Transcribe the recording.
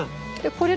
これ？